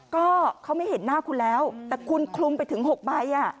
ก็เขาไม่เห็นหน้าคุณแล้วแต่คุณคลุมไปถึง๖ใบ